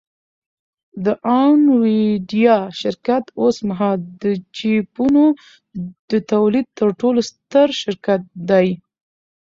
د انویډیا شرکت اوسمهال د چیپونو د تولید تر ټولو ستر شرکت دی